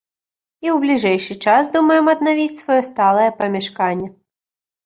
І ў бліжэйшы час думаем аднавіць сваё сталае памяшканне.